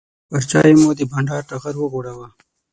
پر چایو مو د بانډار ټغر وغوړاوه.